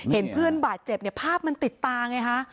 เห็นเพื่อนบาดเจ็บเนี่ยภาพมันติดตาไงฮะ